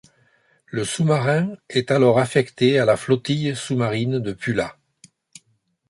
Le sous-marin est alors affecté à la flotille sous-marine de Pula.